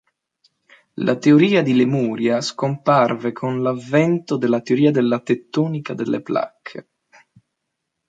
La teoria di Lemuria scomparve con l'avvento della teoria della tettonica delle placche.